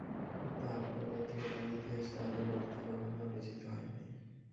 তাহার পরবর্তীকালের ইতিহাস তাহাদের বাড়িতে কখনো আলোচিত হয় নাই।